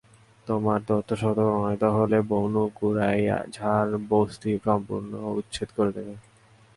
তোমার তথ্য সত্য প্রমাণিত হলে বনু কুরাইযার বস্তি সম্পূর্ণ উচ্ছেদ করে দেব।